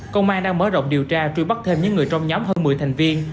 công an đang mở rộng điều tra truy bắt thêm những người trong nhóm hơn một mươi thành viên